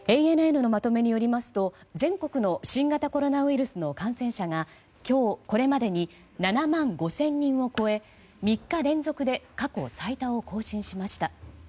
ＡＮＮのまとめによりますと全国の新型コロナウイルスの感染者が今日、これまでに７万５０００人を超えて３日連続で過去最多を更新しました。